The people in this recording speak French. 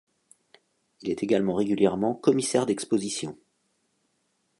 Il est également régulièrement commissaire d'exposition.